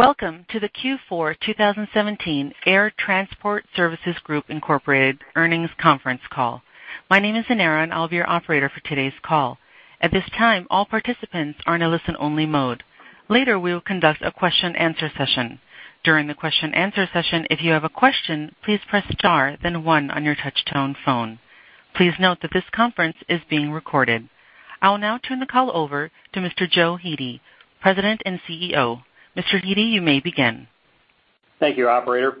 Welcome to the Q4 2017 Air Transport Services Group Incorporated earnings conference call. My name is Anera, and I'll be your operator for today's call. At this time, all participants are in a listen-only mode. Later, we will conduct a question-answer session. During the question-answer session, if you have a question, please press star then one on your touch-tone phone. Please note that this conference is being recorded. I will now turn the call over to Mr. Joe Hete, President and CEO. Mr. Hete, you may begin. Thank you, operator.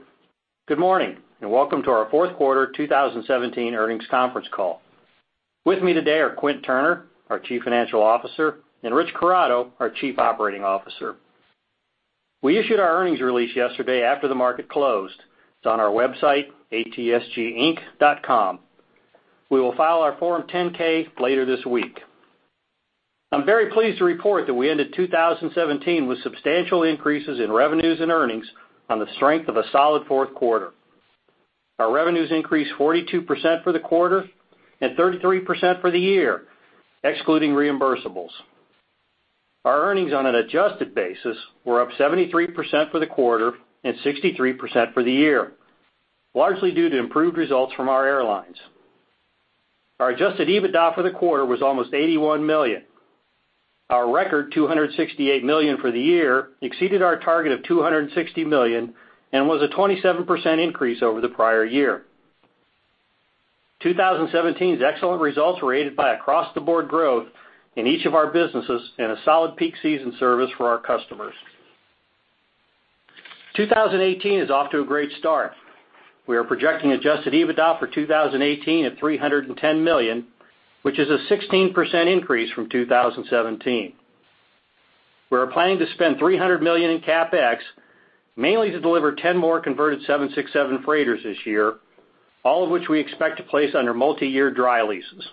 Good morning, and welcome to our fourth quarter 2017 earnings conference call. With me today are Quint Turner, our Chief Financial Officer, and Rich Corrado, our Chief Operating Officer. We issued our earnings release yesterday after the market closed. It's on our website, atsginc.com. We will file our Form 10-K later this week. I'm very pleased to report that we ended 2017 with substantial increases in revenues and earnings on the strength of a solid fourth quarter. Our revenues increased 42% for the quarter and 33% for the year, excluding reimbursables. Our earnings on an adjusted basis were up 73% for the quarter and 63% for the year, largely due to improved results from our airlines. Our adjusted EBITDA for the quarter was almost $81 million. Our record $268 million for the year exceeded our target of $260 million and was a 27% increase over the prior year. 2017's excellent results were aided by across-the-board growth in each of our businesses and a solid peak season service for our customers. 2018 is off to a great start. We are projecting adjusted EBITDA for 2018 at $310 million, which is a 16% increase from 2017. We are planning to spend $300 million in CapEx, mainly to deliver 10 more converted 767 freighters this year, all of which we expect to place under multi-year dry leases.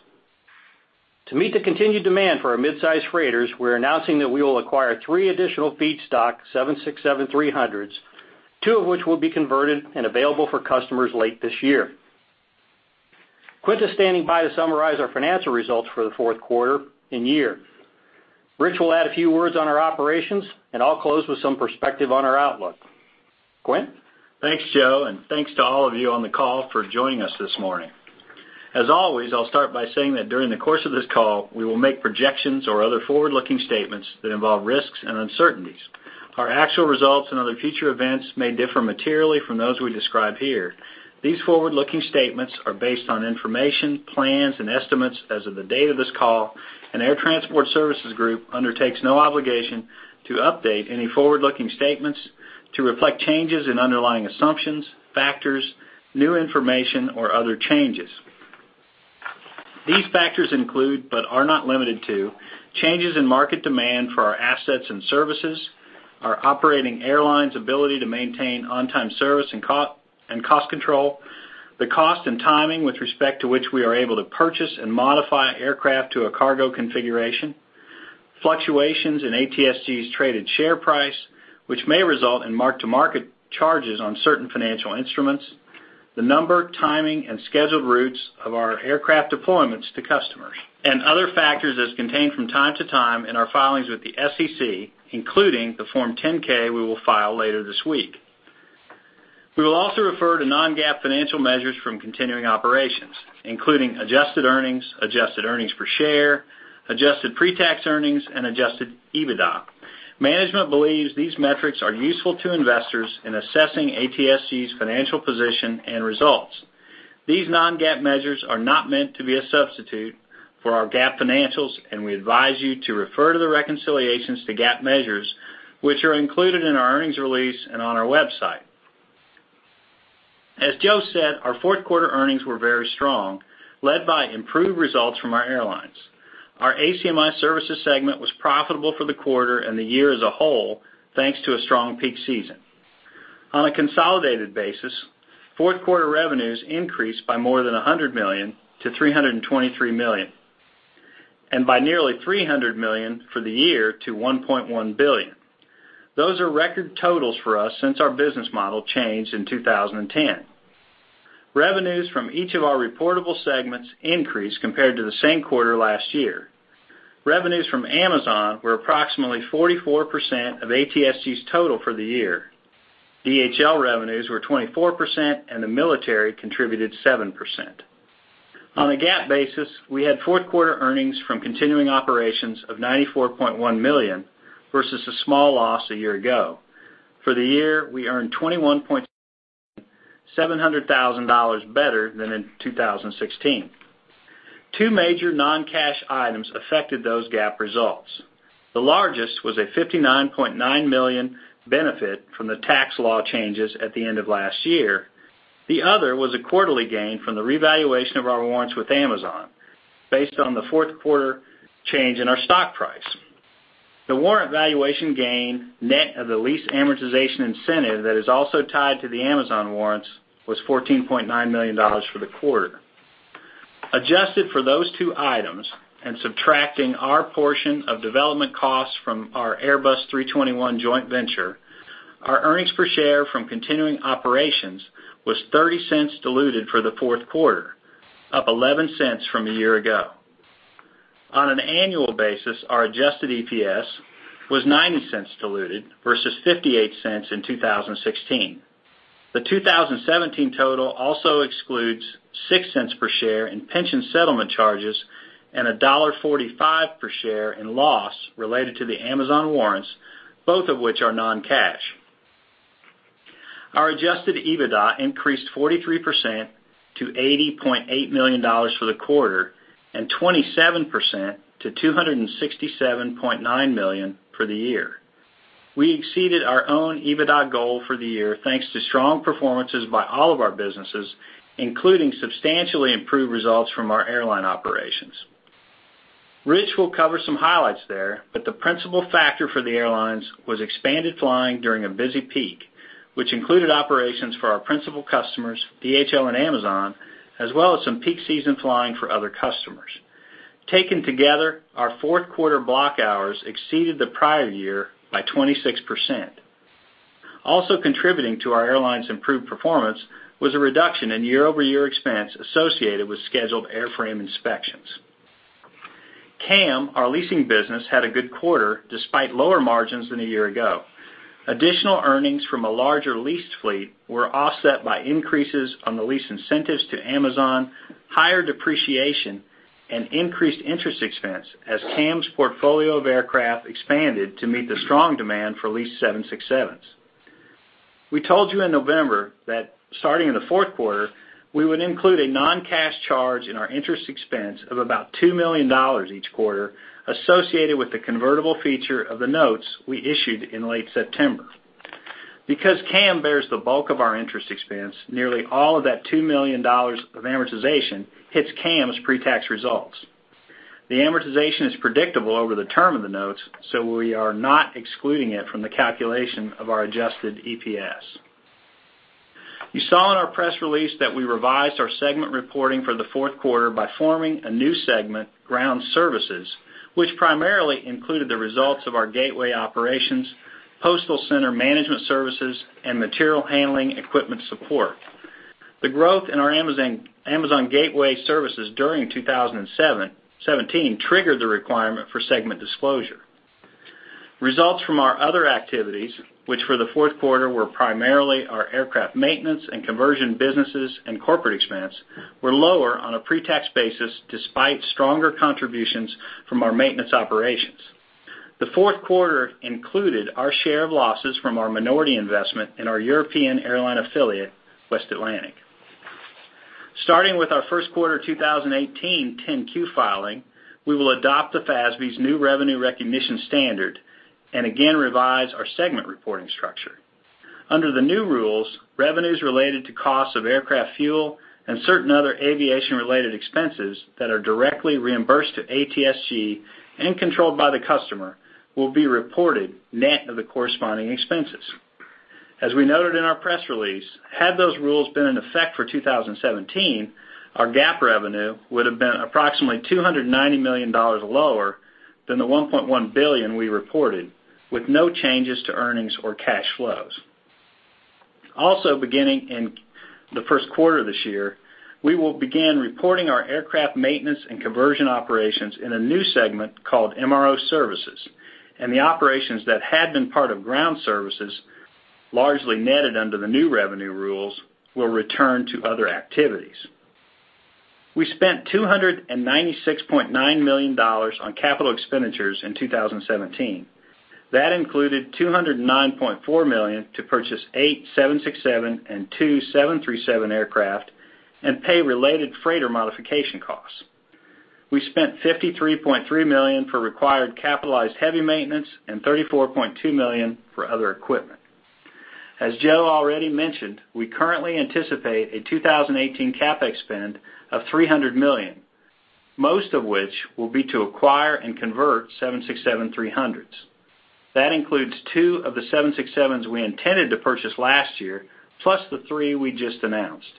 To meet the continued demand for our midsize freighters, we're announcing that we will acquire three additional feedstock 767-300s, two of which will be converted and available for customers late this year. Quint is standing by to summarize our financial results for the fourth quarter and year. Rich will add a few words on our operations, and I'll close with some perspective on our outlook. Quint? Thanks, Joe. Thanks to all of you on the call for joining us this morning. As always, I'll start by saying that during the course of this call, we will make projections or other forward-looking statements that involve risks and uncertainties. Our actual results and other future events may differ materially from those we describe here. These forward-looking statements are based on information, plans, and estimates as of the date of this call, Air Transport Services Group undertakes no obligation to update any forward-looking statements to reflect changes in underlying assumptions, factors, new information, or other changes. These factors include, but are not limited to, changes in market demand for our assets and services, our operating airlines' ability to maintain on-time service and cost control, the cost and timing with respect to which we are able to purchase and modify aircraft to a cargo configuration, fluctuations in ATSG's traded share price, which may result in mark-to-market charges on certain financial instruments, the number, timing, and scheduled routes of our aircraft deployments to customers, and other factors as contained from time to time in our filings with the SEC, including the Form 10-K we will file later this week. We will also refer to non-GAAP financial measures from continuing operations, including adjusted earnings, adjusted earnings per share, adjusted pre-tax earnings, and adjusted EBITDA. Management believes these metrics are useful to investors in assessing ATSG's financial position and results. These non-GAAP measures are not meant to be a substitute for our GAAP financials, and we advise you to refer to the reconciliations to GAAP measures, which are included in our earnings release and on our website. As Joe said, our fourth quarter earnings were very strong, led by improved results from our airlines. Our ACMI Services segment was profitable for the quarter and the year as a whole, thanks to a strong peak season. On a consolidated basis, fourth quarter revenues increased by more than $100 million to $323 million, and by nearly $300 million for the year to $1.1 billion. Those are record totals for us since our business model changed in 2010. Revenues from each of our reportable segments increased compared to the same quarter last year. Revenues from Amazon were approximately 44% of ATSG's total for the year. DHL revenues were 24%, and the military contributed 7%. On a GAAP basis, we had fourth quarter earnings from continuing operations of $94.1 million versus a small loss a year ago. For the year, we earned $21.7 million better than in 2016. Two major non-cash items affected those GAAP results. The largest was a $59.9 million benefit from the tax law changes at the end of last year. The other was a quarterly gain from the revaluation of our warrants with Amazon, based on the fourth quarter change in our stock price. The warrant valuation gain, net of the lease amortization incentive that is also tied to the Amazon warrants, was $14.9 million for the quarter. Adjusted for those two items and subtracting our portion of development costs from our Airbus A321 joint venture, our earnings per share from continuing operations was $0.30 diluted for the Q4, up $0.11 from a year ago. On an annual basis, our adjusted EPS was $0.90 diluted versus $0.58 in 2016. The 2017 total also excludes $0.06 per share in pension settlement charges and $1.45 per share in loss related to the Amazon warrants, both of which are non-cash. Our adjusted EBITDA increased 43% to $80.8 million for the Q4 and 27% to $267.9 million for the year. We exceeded our own EBITDA goal for the year, thanks to strong performances by all of our businesses, including substantially improved results from our airline operations. Rich will cover some highlights there, but the principal factor for the airlines was expanded flying during a busy peak, which included operations for our principal customers, DHL and Amazon, as well as some peak season flying for other customers. Taken together, our Q4 block hours exceeded the prior year by 26%. Also contributing to our airline's improved performance was a reduction in year-over-year expense associated with scheduled airframe inspections. CAM, our leasing business, had a good quarter despite lower margins than a year ago. Additional earnings from a larger leased fleet were offset by increases on the lease incentives to Amazon, higher depreciation, and increased interest expense as CAM's portfolio of aircraft expanded to meet the strong demand for leased 767s. We told you in November that starting in the Q4, we would include a non-cash charge in our interest expense of about $2 million each quarter associated with the convertible feature of the notes we issued in late September. Because CAM bears the bulk of our interest expense, nearly all of that $2 million of amortization hits CAM's pre-tax results. We are not excluding it from the calculation of our adjusted EPS. You saw in our press release that we revised our segment reporting for the Q4 by forming a new segment, Ground Services, which primarily included the results of our gateway operations, postal center management services, and material handling equipment support. The growth in our Amazon gateway services during 2017 triggered the requirement for segment disclosure. Results from our other activities, which for the Q4 were primarily our aircraft maintenance and conversion businesses and corporate expense, were lower on a pre-tax basis despite stronger contributions from our maintenance operations. The Q4 included our share of losses from our minority investment in our European airline affiliate, West Atlantic. Starting with our Q1 2018 10-Q filing, we will adopt the FASB's new revenue recognition standard and again revise our segment reporting structure. Under the new rules, revenues related to costs of aircraft fuel and certain other aviation-related expenses that are directly reimbursed to ATSG and controlled by the customer will be reported net of the corresponding expenses. As we noted in our press release, had those rules been in effect for 2017, our GAAP revenue would've been approximately $290 million lower than the $1.1 billion we reported, with no changes to earnings or cash flows. Also beginning in the first quarter of this year, we will begin reporting our aircraft maintenance and conversion operations in a new segment called MRO Services, and the operations that had been part of Ground Services, largely netted under the new revenue rules, will return to other activities. We spent $296.9 million on capital expenditures in 2017. That included $209.4 million to purchase eight 767 and two 737 aircraft and pay related freighter modification costs. We spent $53.3 million for required capitalized heavy maintenance and $34.2 million for other equipment. As Joe already mentioned, we currently anticipate a 2018 CapEx spend of $300 million, most of which will be to acquire and convert 767-300s. That includes two of the 767s we intended to purchase last year, plus the three we just announced.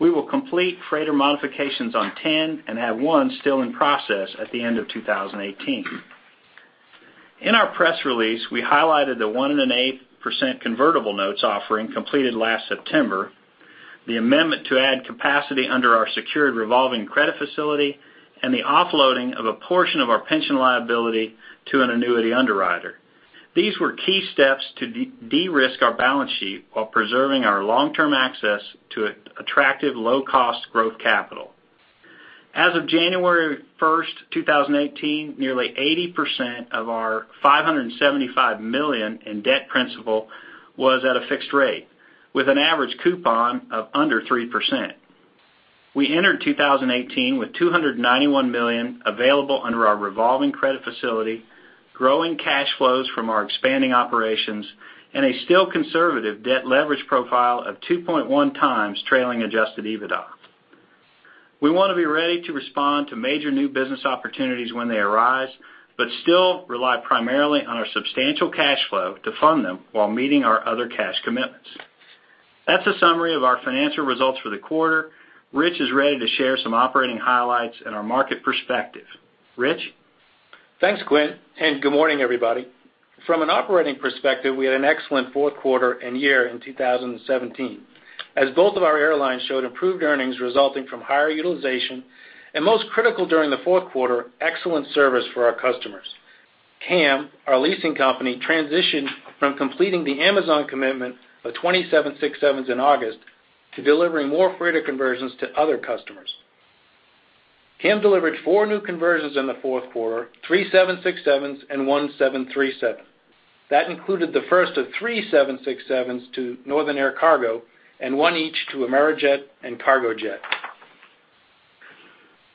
We will complete freighter modifications on 10 and have one still in process at the end of 2018. In our press release, we highlighted the one and one-eighth percent convertible notes offering completed last September, the amendment to add capacity under our secured revolving credit facility, and the offloading of a portion of our pension liability to an annuity underwriter. These were key steps to de-risk our balance sheet while preserving our long-term access to attractive low-cost growth capital. As of January 1st, 2018, nearly 80% of our $575 million in debt principal was at a fixed rate with an average coupon of under 3%. We entered 2018 with $291 million available under our revolving credit facility, growing cash flows from our expanding operations, and a still conservative debt leverage profile of 2.1 times trailing adjusted EBITDA. We want to be ready to respond to major new business opportunities when they arise, but still rely primarily on our substantial cash flow to fund them while meeting our other cash commitments. That's a summary of our financial results for the quarter. Rich is ready to share some operating highlights and our market perspective. Rich? Thanks, Quint, and good morning, everybody. From an operating perspective, we had an excellent fourth quarter and year in 2017, as both of our airlines showed improved earnings resulting from higher utilization, and most critical during the fourth quarter, excellent service for our customers. CAM, our leasing company, transitioned from completing the Amazon commitment of two 767s in August to delivering more freighter conversions to other customers. CAM delivered four new conversions in the fourth quarter, three 767s and one 737. That included the first of three 767s to Northern Air Cargo and one each to Amerijet and Cargojet.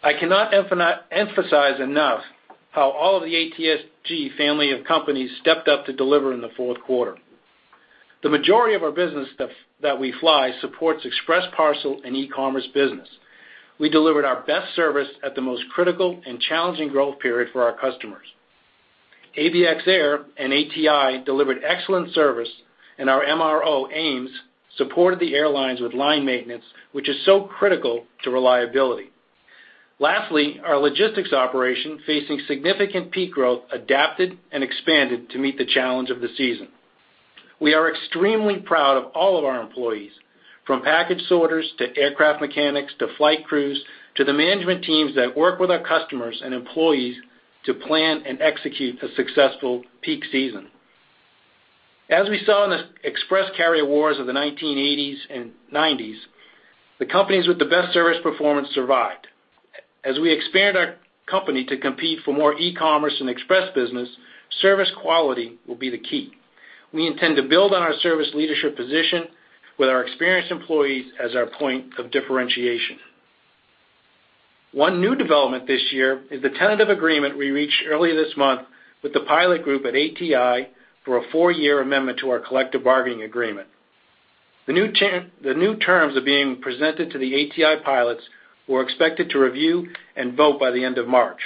I cannot emphasize enough how all of the ATSG family of companies stepped up to deliver in the fourth quarter. The majority of our business that we fly supports express parcel and e-commerce business. We delivered our best service at the most critical and challenging growth period for our customers. ABX Air and ATI delivered excellent service, and our MRO, AMES, supported the airlines with line maintenance, which is so critical to reliability. Lastly, our logistics operation, facing significant peak growth, adapted and expanded to meet the challenge of the season. We are extremely proud of all of our employees, from package sorters to aircraft mechanics, to flight crews, to the management teams that work with our customers and employees to plan and execute a successful peak season. As we saw in the express carrier wars of the 1980s and '90s, the companies with the best service performance survived. As we expand our company to compete for more e-commerce and express business, service quality will be the key. We intend to build on our service leadership position with our experienced employees as our point of differentiation. One new development this year is the tentative agreement we reached earlier this month with the pilot group at ATI for a four-year amendment to our collective bargaining agreement. The new terms are being presented to the ATI pilots, who are expected to review and vote by the end of March.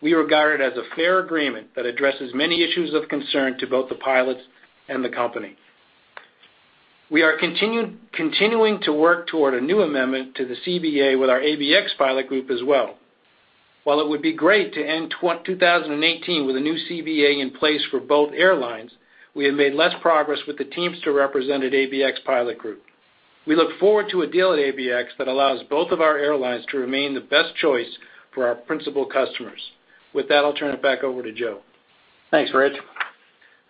We regard it as a fair agreement that addresses many issues of concern to both the pilots and the company. We are continuing to work toward a new amendment to the CBA with our ABX pilot group as well. While it would be great to end 2018 with a new CBA in place for both airlines, we have made less progress with the Teamsters represent an ABX pilot group. We look forward to a deal at ABX that allows both of our airlines to remain the best choice for our principal customers. With that, I'll turn it back over to Joe. Thanks, Rich.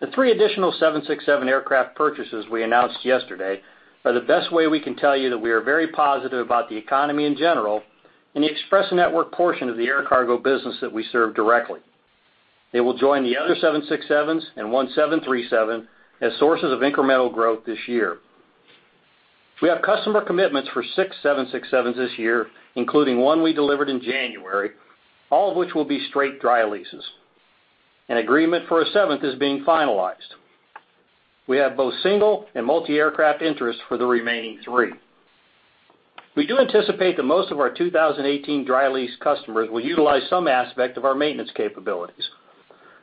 The three additional 767 aircraft purchases we announced yesterday are the best way we can tell you that we are very positive about the economy in general and the express network portion of the air cargo business that we serve directly. It will join the other 767s and one 737 as sources of incremental growth this year. We have customer commitments for six 767s this year, including one we delivered in January, all of which will be straight dry leases. An agreement for a seventh is being finalized. We have both single and multi-aircraft interests for the remaining three. We do anticipate that most of our 2018 dry lease customers will utilize some aspect of our maintenance capabilities.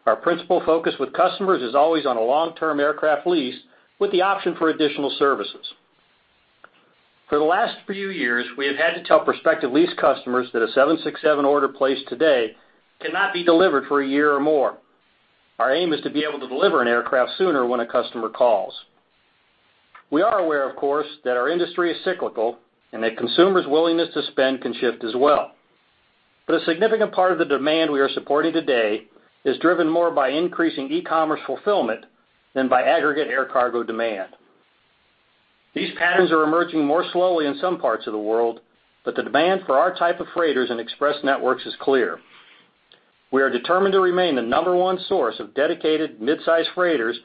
Our principal focus with customers is always on a long-term aircraft lease with the option for additional services. For the last few years, we have had to tell prospective lease customers that a 767 order placed today cannot be delivered for a year or more. Our aim is to be able to deliver an aircraft sooner when a customer calls. We are aware, of course, that our industry is cyclical and that consumers' willingness to spend can shift as well. A significant part of the demand we are supporting today is driven more by increasing e-commerce fulfillment than by aggregate air cargo demand. These patterns are emerging more slowly in some parts of the world, but the demand for our type of freighters and express networks is clear. We are determined to remain the number one source of dedicated mid-size freighters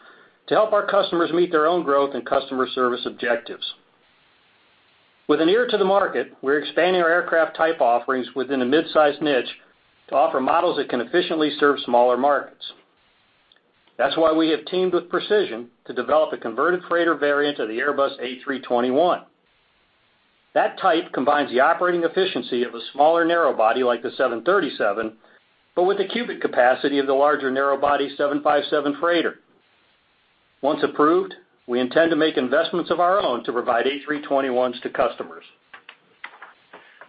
to help our customers meet their own growth and customer service objectives. With an ear to the market, we're expanding our aircraft type offerings within the mid-size niche to offer models that can efficiently serve smaller markets. That's why we have teamed with Precision to develop a converted freighter variant of the Airbus A321. That type combines the operating efficiency of a smaller narrow body like the 737, but with the cubic capacity of the larger narrow body 757 freighter. Once approved, we intend to make investments of our own to provide A321s to customers.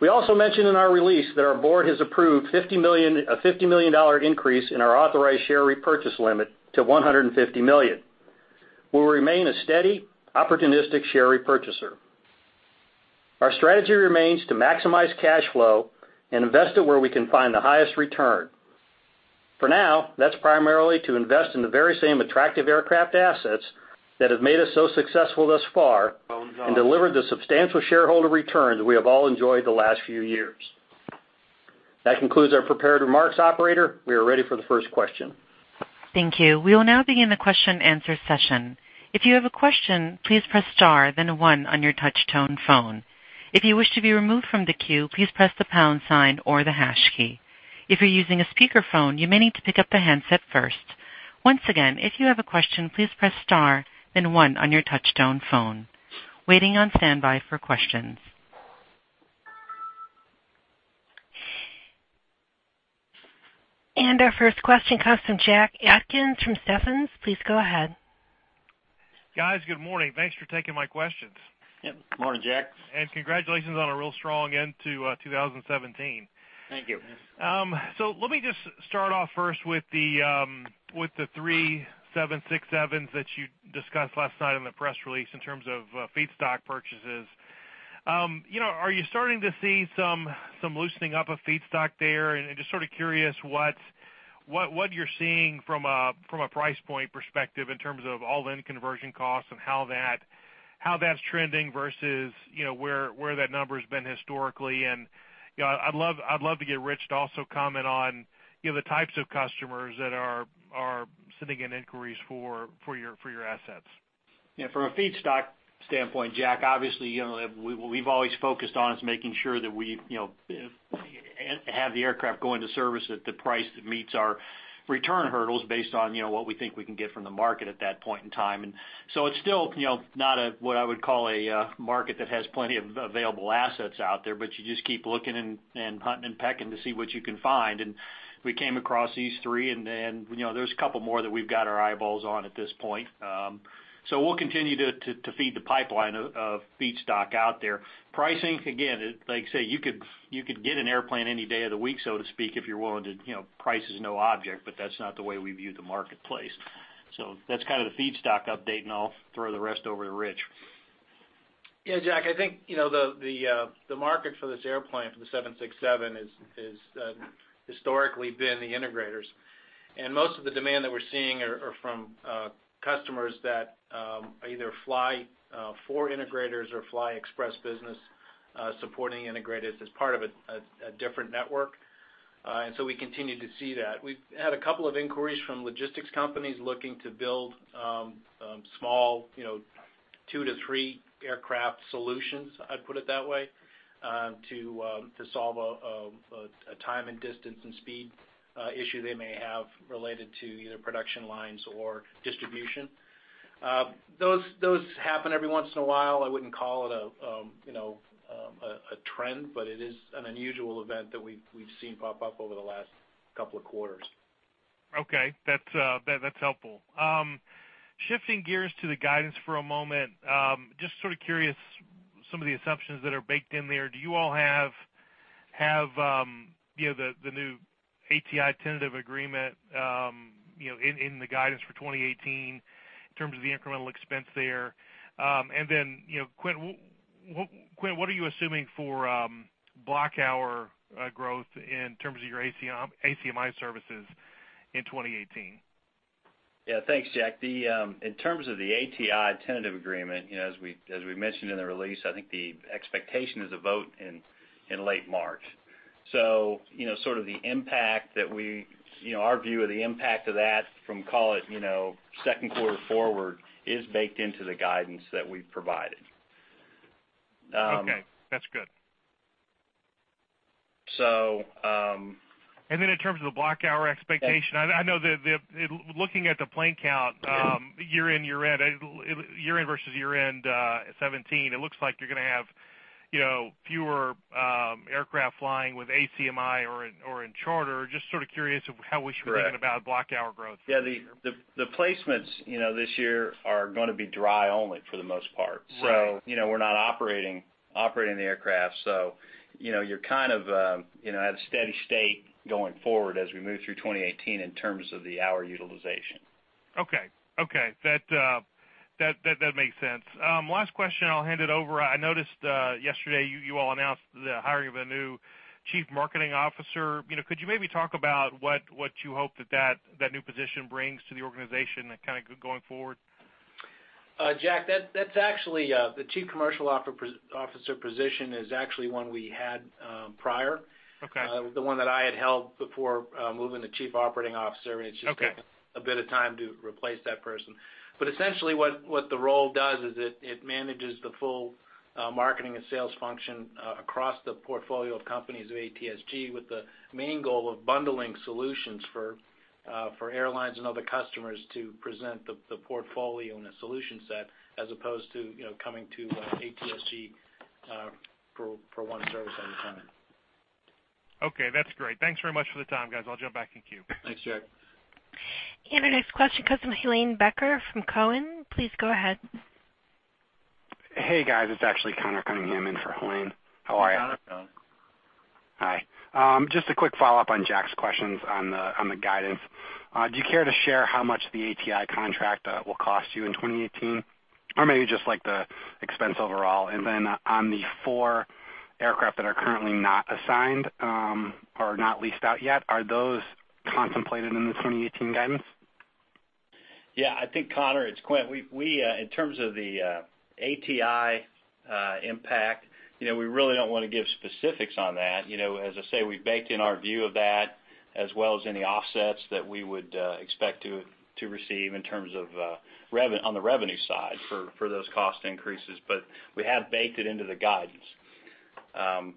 We also mentioned in our release that our board has approved a $50 million increase in our authorized share repurchase limit to $150 million. We will remain a steady, opportunistic share repurchaser. Our strategy remains to maximize cash flow and invest it where we can find the highest return. For now, that's primarily to invest in the very same attractive aircraft assets that have made us so successful thus far and delivered the substantial shareholder returns we have all enjoyed the last few years. That concludes our prepared remarks, Operator. We are ready for the first question. Thank you. We will now begin the question and answer session. If you have a question, please press star then one on your touch-tone phone. If you wish to be removed from the queue, please press the pound sign or the hash key. If you're using a speakerphone, you may need to pick up the handset first. Once again, if you have a question, please press star then one on your touch-tone phone. Waiting on standby for questions. Our first question comes from Jack Atkins from Stephens. Please go ahead. Guys, good morning. Thanks for taking my questions. Yep. Morning, Jack. Congratulations on a real strong end to 2017. Thank you. Yes. Let me just start off first with the three 767s that you discussed last night in the press release in terms of feedstock purchases. Are you starting to see some loosening up of feedstock there? Just sort of curious what you're seeing from a price point perspective in terms of all-in conversion costs and how that's trending versus where that number's been historically. I'd love to get Rich to also comment on the types of customers that are sending in inquiries for your assets. Yeah. From a feedstock standpoint, Jack, obviously, what we've always focused on is making sure that we have the aircraft go into service at the price that meets our return hurdles based on what we think we can get from the market at that point in time. It's still not what I would call a market that has plenty of available assets out there, but you just keep looking and hunting and pecking to see what you can find. We came across these three, and then there's a couple more that we've got our eyeballs on at this point. We'll continue to feed the pipeline of feedstock out there. Pricing, again, like you say, you could get an airplane any day of the week, so to speak, if you're willing to price is no object, but that's not the way we view the marketplace. That's kind of the feedstock update, and I'll throw the rest over to Rich. Yeah, Jack, I think, the market for this airplane, for the 767, has historically been the integrators. Most of the demand that we're seeing are from customers that either fly for integrators or fly express business, supporting integrators as part of a different network. We continue to see that. We've had a couple of inquiries from logistics companies looking to build small two to three aircraft solutions, I'd put it that way, to solve a time, and distance, and speed issue they may have related to either production lines or distribution. Those happen every once in a while. I wouldn't call it a trend, but it is an unusual event that we've seen pop up over the last couple of quarters. Okay. That's helpful. Shifting gears to the guidance for a moment. Just sort of curious, some of the assumptions that are baked in there, do you all have the new ATI tentative agreement in the guidance for 2018 in terms of the incremental expense there? Then, Quint, what are you assuming for block hour growth in terms of your ACMI Services in 2018? Yeah. Thanks, Jack. In terms of the ATI tentative agreement, as we mentioned in the release, I think the expectation is a vote in late March. Our view of the impact of that from, call it, second quarter forward, is baked into the guidance that we've provided. Okay. That's good. So, um- In terms of the block hour expectation, I know that looking at the plane count year in versus year-end 2017, it looks like you're going to have fewer aircraft flying with ACMI or in charter. Just sort of curious of how we should- Correct think about block hour growth this year. Yeah. The placements this year are going to be dry only for the most part. Right. We're not operating the aircraft, so you kind of have steady state going forward as we move through 2018 in terms of the hour utilization. Okay. That makes sense. Last question, I'll hand it over. I noticed yesterday you all announced the hiring of a new chief marketing officer. Could you maybe talk about what you hope that new position brings to the organization kind of going forward? Jack, the chief commercial officer position is actually one we had prior. Okay. The one that I had held before moving to chief operating officer. Okay taken a bit of time to replace that person. Essentially what the role does is it manages the full marketing and sales function across the portfolio of companies of ATSG, with the main goal of bundling solutions for airlines and other customers to present the portfolio and the solution set as opposed to coming to ATSG for one service at a time. Okay. That's great. Thanks very much for the time, guys. I'll jump back in queue. Thanks, Jack. Our next question comes from Helane Becker from Cowen. Please go ahead. Hey, guys. It's actually Conor Cunningham in for Helane. How are you? Hey, Conor. Conor. Hi. Just a quick follow-up on Jack's questions on the guidance. Do you care to share how much the ATI contract will cost you in 2018? Or maybe just like the expense overall, and then on the four aircraft that are currently not assigned, or not leased out yet, are those contemplated in the 2018 guidance? Yeah. I think, Conor, it's Quint. In terms of the ATI impact, we really don't want to give specifics on that. As I say, we've baked in our view of that, as well as any offsets that we would expect to receive on the revenue side for those cost increases, but we have baked it into the guidance. I'm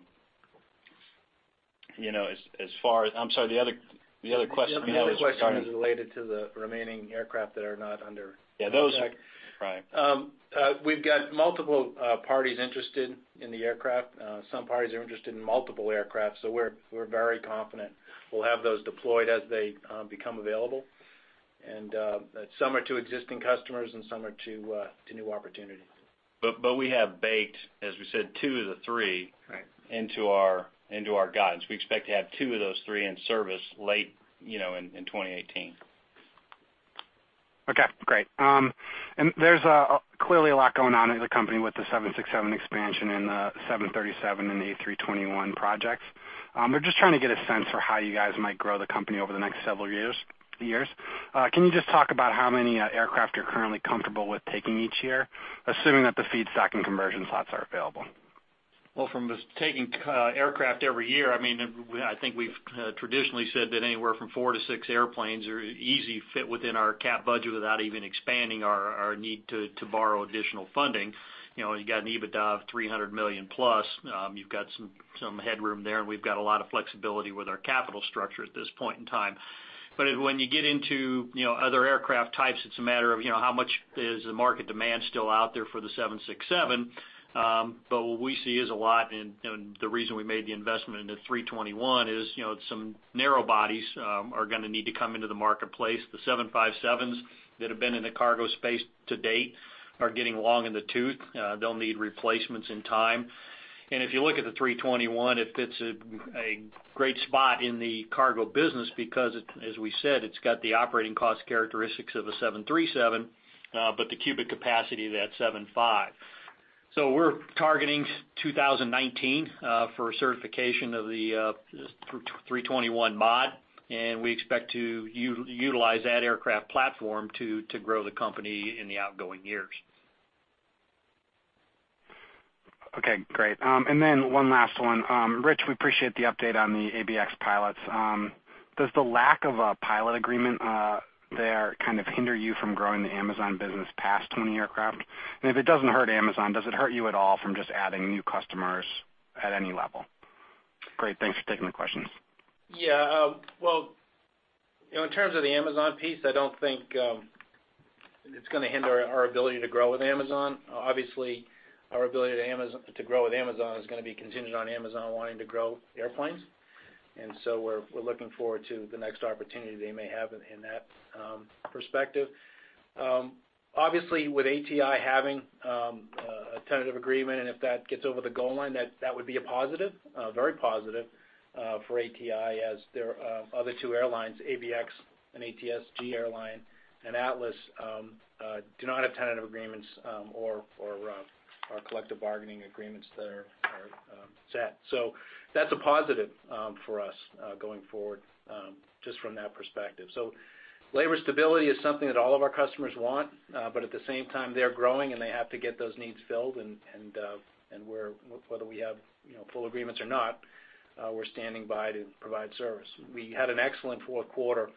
sorry, the other question you had was? The only question is related to the remaining aircraft that are not under contract. Yeah, those. Right. We've got multiple parties interested in the aircraft. Some parties are interested in multiple aircraft, we're very confident we'll have those deployed as they become available. Some are to existing customers, and some are to new opportunities. We have baked, as we said, two of the three. Right Into our guidance. We expect to have two of those three in service late in 2018. Okay, great. There's clearly a lot going on in the company with the 767 expansion and the 737 and the A321 projects. Just trying to get a sense for how you guys might grow the company over the next several years. Can you just talk about how many aircraft you're currently comfortable with taking each year, assuming that the feedstock and conversion slots are available? Well, from taking aircraft every year, I think we've traditionally said that anywhere from four to six airplanes easily fit within our CapEx budget without even expanding our need to borrow additional funding. You've got an EBITDA of $300 million+, you've got some headroom there, and we've got a lot of flexibility with our capital structure at this point in time. When you get into other aircraft types, it's a matter of how much is the market demand still out there for the 767. What we see is a lot, and the reason we made the investment into A321 is some narrow bodies are going to need to come into the marketplace. The 757s that have been in the cargo space to date are getting long in the tooth. They'll need replacements in time. If you look at the A321, it fits a great spot in the cargo business because, as we said, it's got the operating cost characteristics of a 737, but the cubic capacity of that 757. We're targeting 2019 for certification of the A321 mod, and we expect to utilize that aircraft platform to grow the company in the outgoing years. Okay, great. Then one last one. Rich, we appreciate the update on the ABX pilots. Does the lack of a pilot agreement there kind of hinder you from growing the Amazon business past 20 aircraft? If it doesn't hurt Amazon, does it hurt you at all from just adding new customers at any level? Great. Thanks for taking the questions. Yeah. Well, in terms of the Amazon piece, I don't think it's going to hinder our ability to grow with Amazon. Obviously, our ability to grow with Amazon is going to be contingent on Amazon wanting to grow airplanes. We're looking forward to the next opportunity they may have in that perspective. Obviously, with ATI having a tentative agreement, and if that gets over the goal line, that would be a positive, very positive for ATI, as their other two airlines, ABX, an ATSG airline, and Atlas, do not have tentative agreements or collective bargaining agreements that are set. That's a positive for us going forward, just from that perspective. Labor stability is something that all of our customers want, but at the same time, they're growing, and they have to get those needs filled, and whether we have full agreements or not, we're standing by to provide service. We had an excellent fourth quarter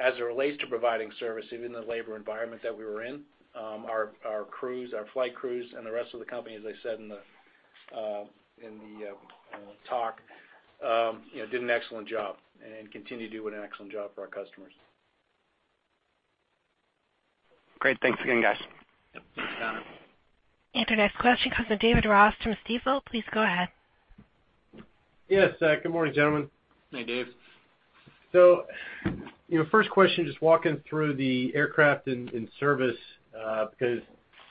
as it relates to providing service, even in the labor environment that we were in. Our crews, our flight crews and the rest of the company, as I said in the talk, did an excellent job and continue to do an excellent job for our customers. Great. Thanks again, guys. Yep. Thanks, Conor. Your next question comes from David Ross from Stifel. Please go ahead. Yes. Good morning, gentlemen. Hey, Dave. First question, just walking through the aircraft in service, because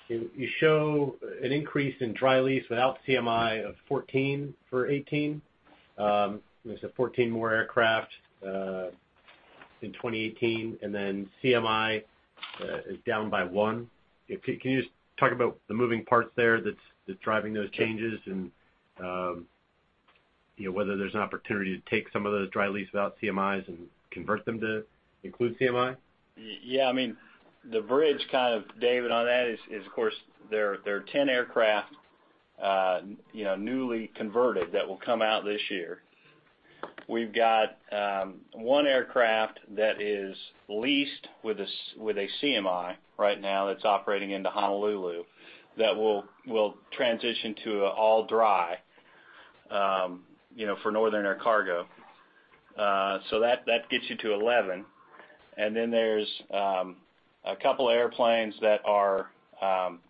you show an increase in dry lease without CMI of 14 for 2018. There is 14 more aircraft in 2018, and then CMI is down by one. Can you just talk about the moving parts there that is driving those changes and whether there is an opportunity to take some of those dry lease without CMIs and convert them to include CMI? Yeah. The bridge, kind of, David, on that is, of course, there are 10 aircraft newly converted that will come out this year. We've got one aircraft that is leased with a CMI right now that's operating into Honolulu that will transition to all dry for Northern Air Cargo. That gets you to 11. There's a couple airplanes that are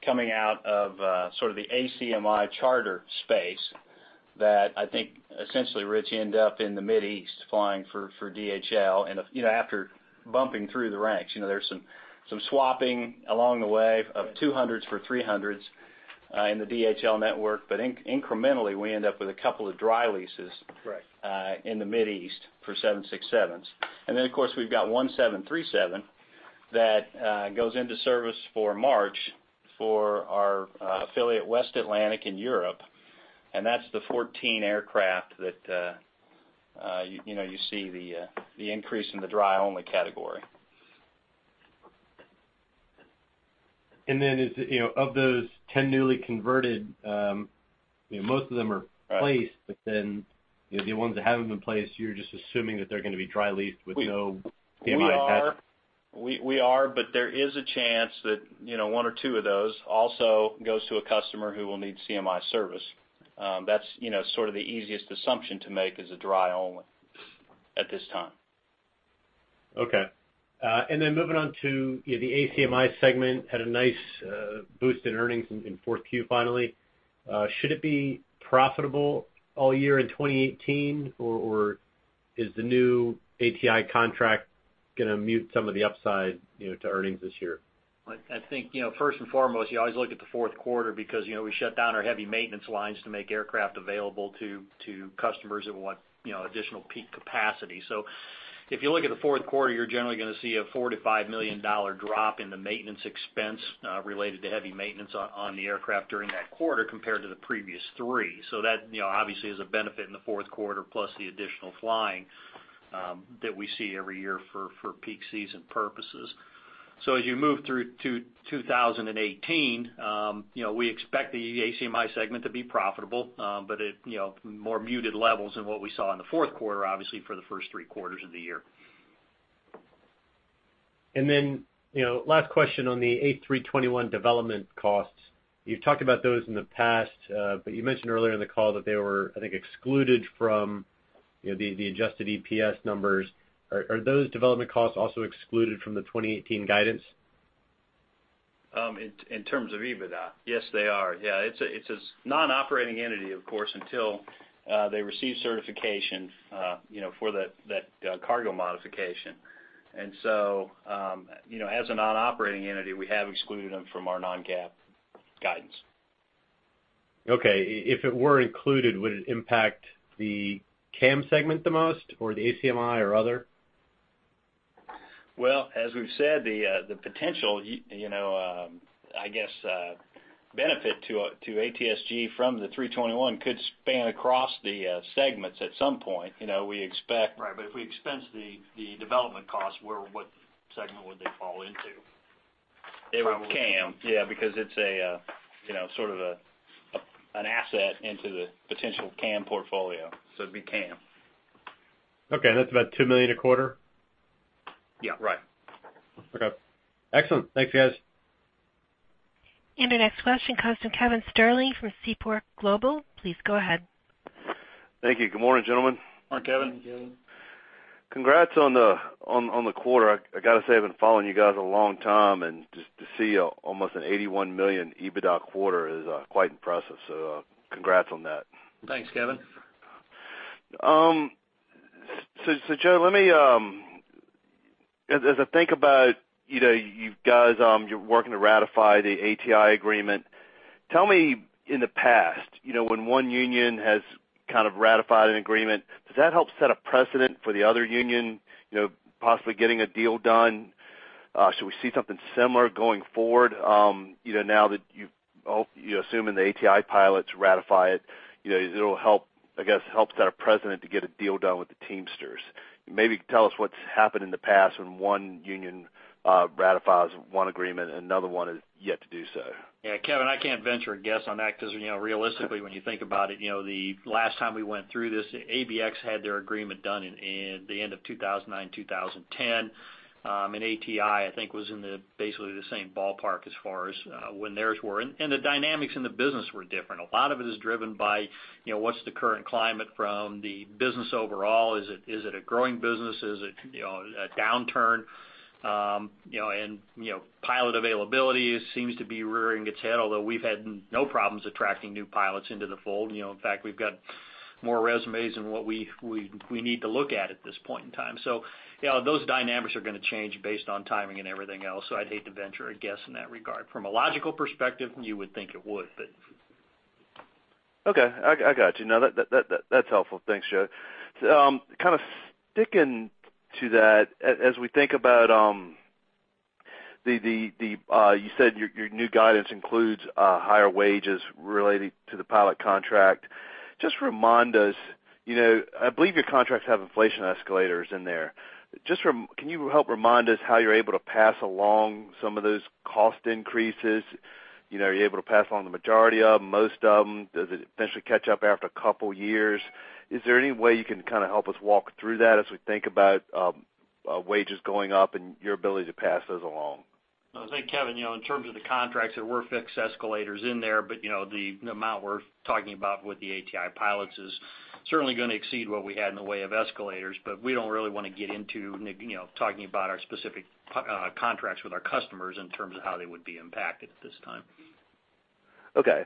coming out of sort of the ACMI charter space that I think essentially, Rich, end up in the Mid East flying for DHL. After bumping through the ranks, there's some swapping along the way of 200s for 300s in the DHL network. Incrementally, we end up with a couple of dry leases. Right in the Mid East for 767s. Of course, we've got one 737 that goes into service for March for our affiliate, West Atlantic, in Europe, that's the 14 aircraft that you see the increase in the dry-only category. Of those 10 newly converted, most of them are placed, the ones that haven't been placed, you're just assuming that they're going to be dry leased with no CMI attached? We are, there is a chance that one or two of those also goes to a customer who will need CMI service. That's sort of the easiest assumption to make is a dry only at this time. Okay. Moving on to the ACMI segment, had a nice boost in earnings in fourth Q, finally. Should it be profitable all year in 2018, or is the new ATI contract going to mute some of the upside to earnings this year? I think, first and foremost, you always look at the fourth quarter because we shut down our heavy maintenance lines to make aircraft available to customers that want additional peak capacity. If you look at the fourth quarter, you're generally going to see a $4 million to $5 million drop in the maintenance expense related to heavy maintenance on the aircraft during that quarter compared to the previous three. That, obviously, is a benefit in the fourth quarter, plus the additional flying that we see every year for peak season purposes. As you move through 2018, we expect the ACMI segment to be profitable. At more muted levels than what we saw in the fourth quarter, obviously, for the first three quarters of the year. Last question on the A321 development costs. You've talked about those in the past, but you mentioned earlier in the call that they were, I think, excluded from the adjusted EPS numbers. Are those development costs also excluded from the 2018 guidance? In terms of EBITDA? Yes, they are. Yeah. It's a non-operating entity, of course, until they receive certification for that cargo modification. As a non-operating entity, we have excluded them from our non-GAAP guidance. Okay. If it were included, would it impact the CAM Segment the most, or the ACMI, or other? Well, as we've said, the potential, I guess, benefit to ATSG from the 321 could span across the Segments at some point. Right. If we expense the development costs, what Segment would they fall into? It would be CAM. Yeah, because it's sort of an asset into the potential CAM portfolio. It'd be CAM. Okay, that's about $2 million a quarter? Yeah. Right. Okay. Excellent. Thanks, guys. Our next question comes from Kevin Sterling from Seaport Global. Please go ahead. Thank you. Good morning, gentlemen. Morning, Kevin. Congrats on the quarter. I got to say, I've been following you guys a long time, just to see almost an $81 million EBITDA quarter is quite impressive. Congrats on that. Thanks, Kevin. Joe, as I think about you guys, you're working to ratify the ATI agreement. Tell me, in the past, when one union has ratified an agreement, does that help set a precedent for the other union possibly getting a deal done? Should we see something similar going forward now that you're assuming the ATI pilots ratify it'll, I guess, help set a precedent to get a deal done with the Teamsters? Maybe tell us what's happened in the past when one union ratifies one agreement and another one is yet to do so. Yeah, Kevin, I can't venture a guess on that because realistically, when you think about it, the last time we went through this, ABX had their agreement done in the end of 2009, 2010. ATI, I think, was in basically the same ballpark as far as when theirs were. The dynamics in the business were different. A lot of it is driven by what's the current climate from the business overall. Is it a growing business? Is it a downturn? Pilot availability seems to be rearing its head, although we've had no problems attracting new pilots into the fold. In fact, we've got more resumes than what we need to look at at this point in time. Those dynamics are going to change based on timing and everything else. I'd hate to venture a guess in that regard. From a logical perspective, you would think it would. Okay. I got you. That's helpful. Thanks, Joe. Kind of sticking to that, as we think about, you said your new guidance includes higher wages related to the pilot contract. Just remind us, I believe your contracts have inflation escalators in there. Can you help remind us how you're able to pass along some of those cost increases? Are you able to pass along the majority of them, most of them? Does it eventually catch up after a couple years? Is there any way you can kind of help us walk through that as we think about wages going up and your ability to pass those along? I think, Kevin, in terms of the contracts, there were fixed escalators in there. The amount we're talking about with the ATI pilots is certainly going to exceed what we had in the way of escalators. We don't really want to get into talking about our specific contracts with our customers in terms of how they would be impacted at this time. Okay. I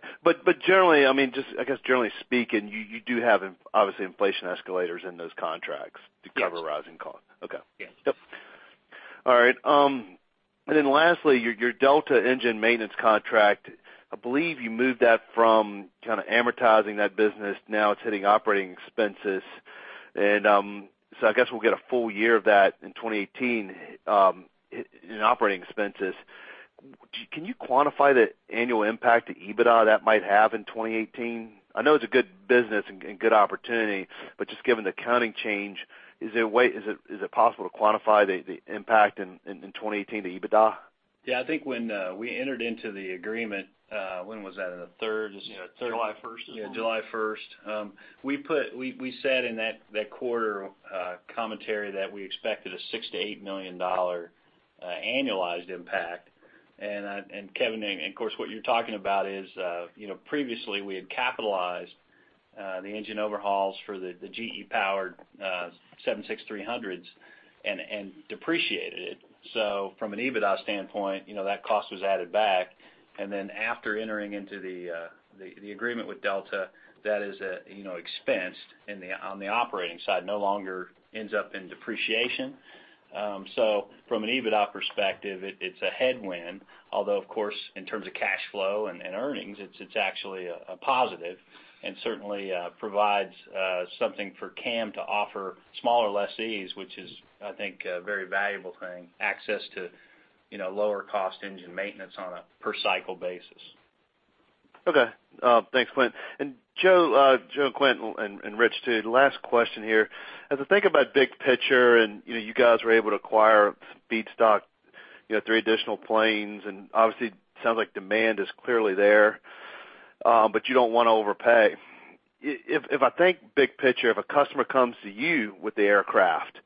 guess generally speaking, you do have, obviously, inflation escalators in those contracts to cover rising costs. Yes. Okay. Yes. Yep. All right. Lastly, your Delta engine maintenance contract, I believe you moved that from kind of amortizing that business, now it's hitting operating expenses. I guess we'll get a full year of that in 2018 in operating expenses. Can you quantify the annual impact to EBITDA that might have in 2018? I know it's a good business and good opportunity, but just given the accounting change, is it possible to quantify the impact in 2018 to EBITDA? I think when we entered into the agreement, when was that? In the third, July 1st is when. July 1st. We said in that quarter commentary that we expected a $6 million to $8 million Annualized impact. Kevin, of course, what you're talking about is previously we had capitalized the engine overhauls for the GE-powered 767-300s and depreciated it. From an EBITDA standpoint, that cost was added back, after entering into the agreement with Delta, that is expensed on the operating side, no longer ends up in depreciation. From an EBITDA perspective, it's a headwind, although of course, in terms of cash flow and earnings, it's actually a positive, and certainly provides something for CAM to offer smaller lessees, which is, I think, a very valuable thing, access to lower cost engine maintenance on a per cycle basis. Okay. Thanks, Quint. Joe, Quint, and Rich, too. Last question here. As I think about big picture, you guys were able to acquire feedstock, three additional planes, obviously it sounds like demand is clearly there, but you don't want to overpay. If I think big picture, if a customer comes to you with the aircraft,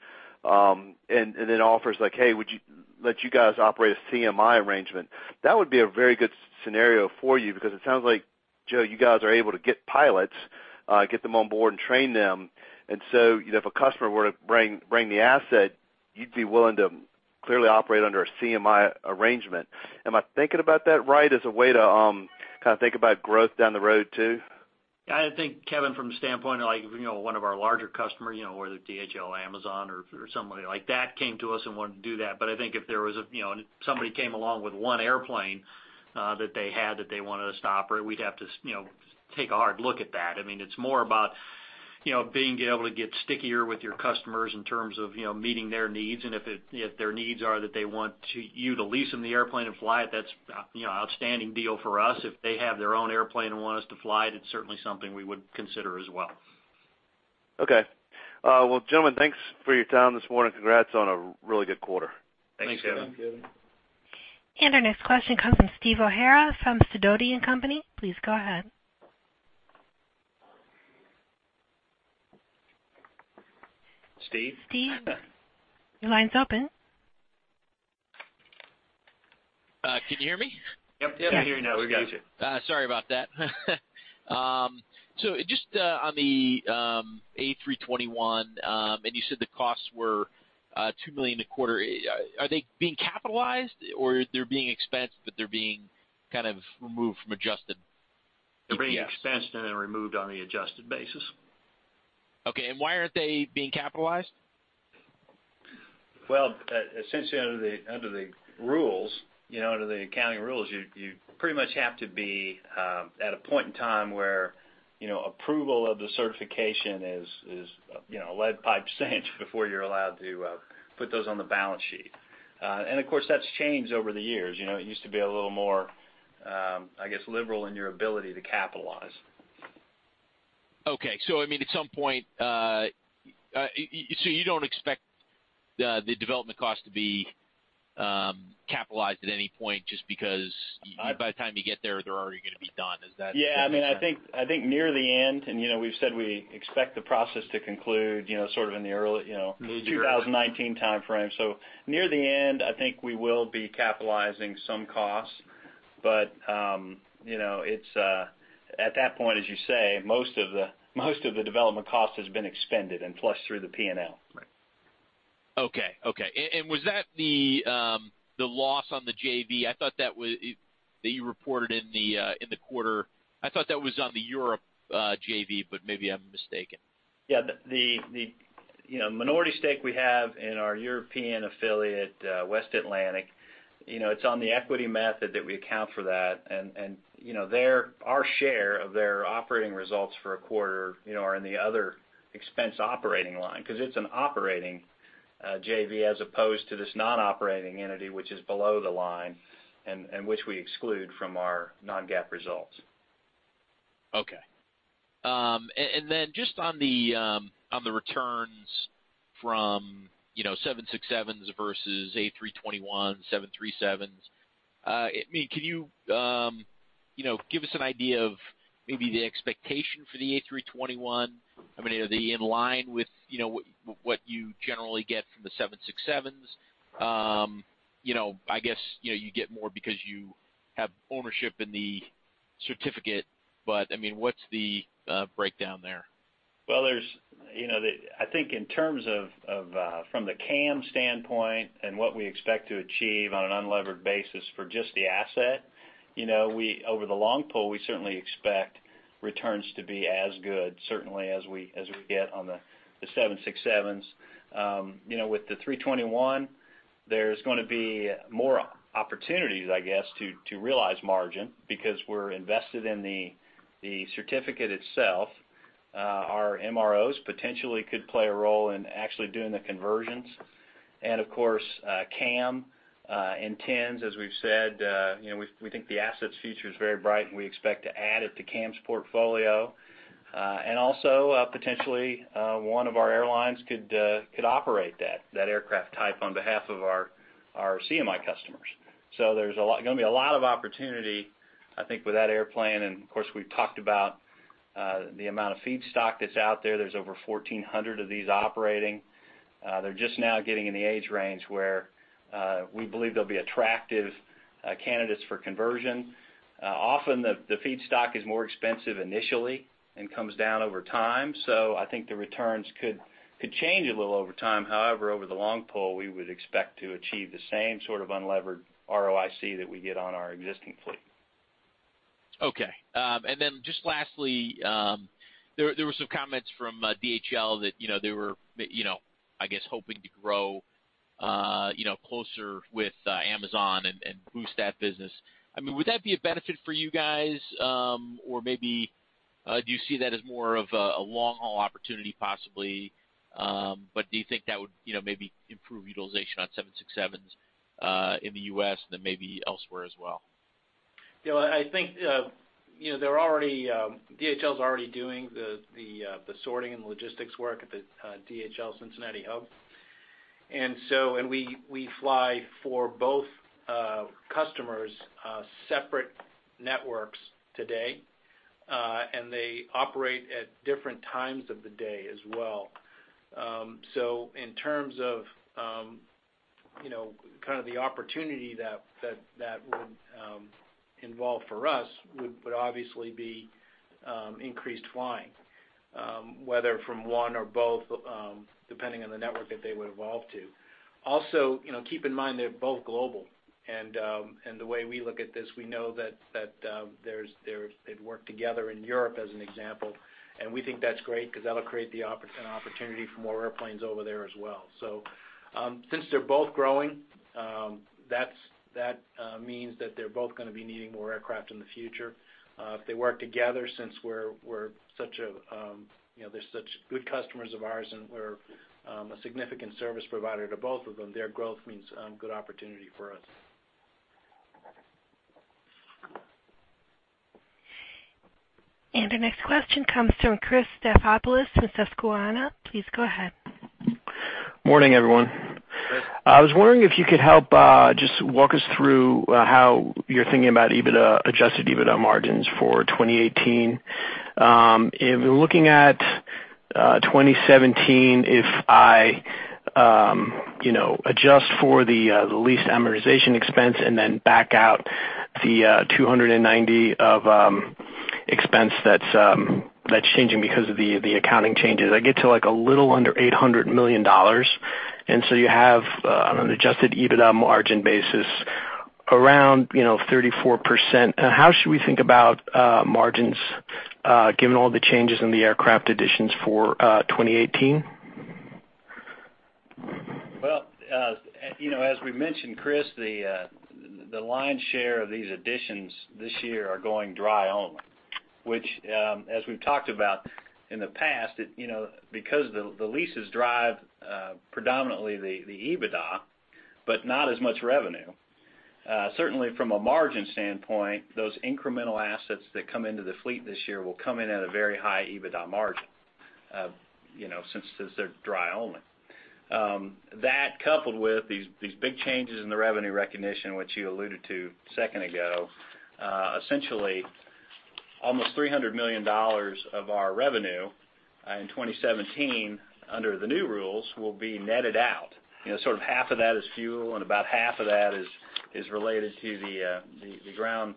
offers like, "Hey, would you let you guys operate a CMI arrangement?" That would be a very good scenario for you, because it sounds like, Joe, you guys are able to get pilots, get them on board, and train them. If a customer were to bring the asset, you'd be willing to clearly operate under a CMI arrangement. Am I thinking about that right as a way to think about growth down the road, too? I think, Kevin, from the standpoint of one of our larger customer, whether DHL, Amazon, or somebody like that came to us and wanted to do that. I think if there was a somebody came along with one airplane that they had that they wanted us to operate, we'd have to take a hard look at that. It's more about being able to get stickier with your customers in terms of meeting their needs, and if their needs are that they want you to lease them the airplane and fly it, that's outstanding deal for us. If they have their own airplane and want us to fly it's certainly something we would consider as well. Okay. Well, gentlemen, thanks for your time this morning. Congrats on a really good quarter. Thanks, Kevin. Thanks, Kevin. Our next question comes from Steve O'Hara from Sidoti & Company. Please go ahead. Steve? Steve, your line's open. Can you hear me? Yep. Yep. We can hear you now. We've got you. Sorry about that. Just on the A321, and you said the costs were $2 million a quarter. Are they being capitalized, or they're being expensed, but they're being kind of removed from adjusted? They're being expensed and then removed on the adjusted basis. Okay. Why aren't they being capitalized? Well, essentially under the accounting rules, you pretty much have to be at a point in time where approval of the certification is lead pipe cinch before you're allowed to put those on the balance sheet. Of course, that's changed over the years. It used to be a little more, I guess, liberal in your ability to capitalize. Okay. I mean, at some point, so you don't expect the development cost to be capitalized at any point just because by the time you get there, they're already going to be done. Is that? Yeah. I think near the end, we've said we expect the process to conclude sort of in the early Midyear 2019 timeframe. Near the end, I think we will be capitalizing some costs. At that point, as you say, most of the development cost has been expended and flushed through the P&L. Right. Okay. Was that the loss on the JV? I thought that you reported in the quarter, I thought that was on the Europe JV, maybe I'm mistaken. The minority stake we have in our European affiliate, West Atlantic, it's on the equity method that we account for that, and our share of their operating results for a quarter are in the other expense operating line, because it's an operating JV, as opposed to this non-operating entity which is below the line, and which we exclude from our non-GAAP results. Okay. Then just on the returns from 767s versus A321, 737s. Can you give us an idea of maybe the expectation for the A321? Are they in line with what you generally get from the 767s? I guess, you get more because you have ownership in the certificate, but what's the breakdown there? Well, I think in terms of from the CAM standpoint and what we expect to achieve on an unlevered basis for just the asset, over the long pull, we certainly expect returns to be as good, certainly as we get on the 767s. With the A321, there's going to be more opportunities, I guess, to realize margin because we're invested in the certificate itself. Our MROs potentially could play a role in actually doing the conversions. Of course, CAM intends, as we've said, we think the asset's future is very bright and we expect to add it to CAM's portfolio. Also, potentially, one of our airlines could operate that aircraft type on behalf of our CMI customers. There's going to be a lot of opportunity, I think, with that airplane. Of course, we've talked about the amount of feedstock that's out there. There's over 1,400 of these operating. They're just now getting in the age range where we believe they'll be attractive candidates for conversion. Often, the feedstock is more expensive initially and comes down over time. I think the returns could change a little over time. However, over the long pull, we would expect to achieve the same sort of unlevered ROIC that we get on our existing fleet. Okay. Just lastly, there were some comments from DHL that they were, I guess, hoping to grow closer with Amazon and boost that business. Would that be a benefit for you guys? Or maybe do you see that as more of a long-haul opportunity, possibly? Do you think that would maybe improve utilization on 767s in the U.S., then maybe elsewhere as well? DHL is already doing the sorting and logistics work at the DHL Cincinnati hub. We fly for both customers, separate networks today, and they operate at different times of the day as well. In terms of kind of the opportunity that would involve for us would obviously be increased flying, whether from one or both, depending on the network that they would evolve to. Also, keep in mind they're both global, and the way we look at this, we know that they've worked together in Europe, as an example, and we think that's great because that'll create an opportunity for more airplanes over there as well. Since they're both growing, that means that they're both going to be needing more aircraft in the future. If they work together, since they're such good customers of ours and we're a significant service provider to both of them, their growth means good opportunity for us. The next question comes from Christopher Stathoulopoulos from Susquehanna. Please go ahead. Morning, everyone. Chris. I was wondering if you could help just walk us through how you're thinking about adjusted EBITDA margins for 2018. If you're looking at 2017, if I adjust for the lease amortization expense and then back out the $290 of expense that's changing because of the accounting changes, I get to a little under $800 million. You have an adjusted EBITDA margin basis around 34%. How should we think about margins, given all the changes in the aircraft additions for 2018? Well, as we mentioned, Chris, the lion's share of these additions this year are going dry only, which, as we've talked about in the past, because the leases drive predominantly the EBITDA, but not as much revenue. Certainly, from a margin standpoint, those incremental assets that come into the fleet this year will come in at a very high EBITDA margin since they're dry only. That, coupled with these big changes in the revenue recognition, which you alluded to a second ago, essentially almost $300 million of our revenue in 2017, under the new rules, will be netted out. Half of that is fuel, and about half of that is related to the ground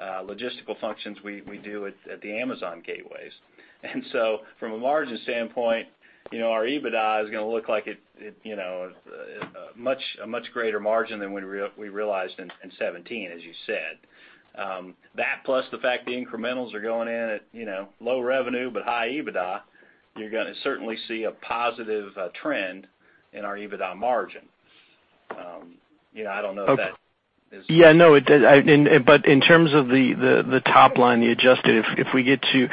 logistical functions we do at the Amazon gateways. From a margin standpoint, our EBITDA is going to look like a much greater margin than we realized in 2017, as you said. That, plus the fact the incrementals are going in at low revenue but high EBITDA, you're going to certainly see a positive trend in our EBITDA margin. In terms of the top line, the adjusted, if we get to